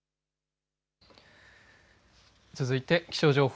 続いて気象情報。